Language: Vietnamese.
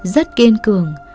rất kiên cường